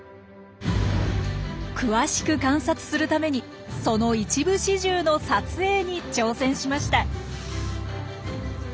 詳しく観察するためにその一部始終の撮影に挑戦しました。